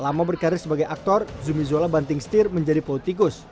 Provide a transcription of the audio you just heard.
lama berkarir sebagai aktor zumi zola banting setir menjadi politikus